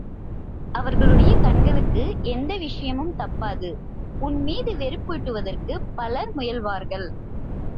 அவர்களுடைய கண்களுக்கு எந்த விஷயமும் தப்பாது, உன்மீது வெறுப்பூட்டுவதற்குப் பலர் முயல்வார்கள்.